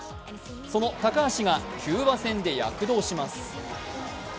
その高橋がキューバ戦で躍動します。